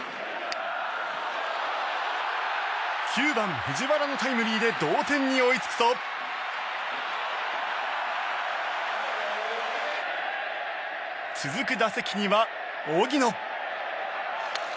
９番、藤原のタイムリーで同点に追いつくと続く打席には荻野。